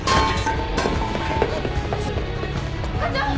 課長！